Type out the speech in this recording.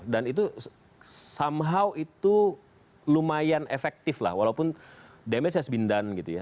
dan itu somehow itu lumayan efektif lah walaupun damage nya sebindan gitu ya